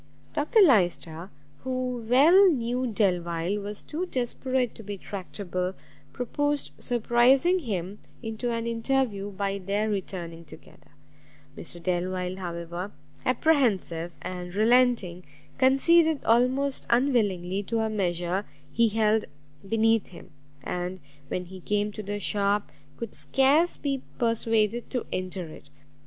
Dr Lyster, who well knew Delvile was too desperate to be tractable, proposed surprising him into an interview by their returning together: Mr Delvile, however apprehensive and relenting, conceded most unwillingly to a measure he held beneath him, and, when he came to the shop, could scarce be persuaded to enter it.